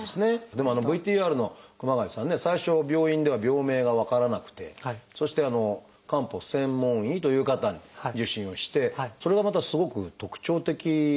でもあのＶＴＲの熊谷さんね最初の病院では病名が分からなくてそして漢方専門医という方に受診をしてそれがまたすごく特徴的でしたね。